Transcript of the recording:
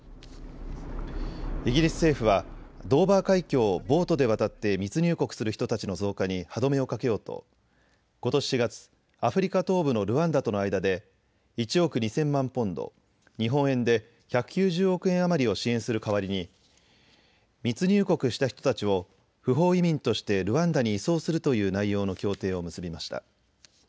イギリス政府はドーバー海峡をボートで渡って密入国する人たちの増加に歯止めをかけようと、ことし４月、アフリカ東部のルワンダとの間で１億２０００万ポンド、日本円で１９０億円余りを支援する代わりに密入国した人たちを不法移民としてルワンダに移送するという内容の協定を結びました。